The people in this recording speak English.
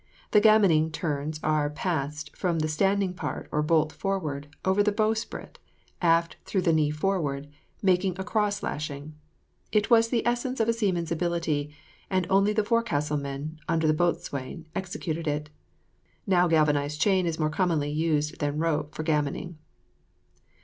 The gammoning turns are passed from the standing part or bolt forward, over the bowsprit, aft through the knee forward, making a cross lashing. It was the essence of a seaman's ability, and only forecastle men, under the boatswain, executed it. Now galvanized chain is more commonly used than rope for gammoning.